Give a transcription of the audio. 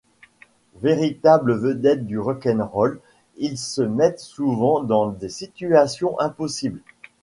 Véritables vedettes du rock 'n' roll, ils se mettent souvent dans des situations impossibles.